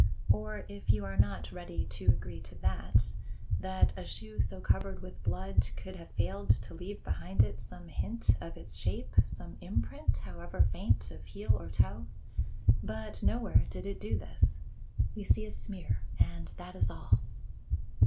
Or, if you are not ready to agree to that, that a shoe so covered with blood could have failed to leave behind it some hint of its shape, some imprint, however faint, of heel or toe? But nowhere did it do this. We see a smear and that is all."